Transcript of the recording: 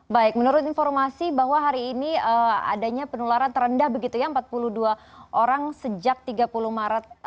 baik menurut informasi bahwa hari ini adanya penularan terendah begitu ya empat puluh dua orang sejak tiga puluh maret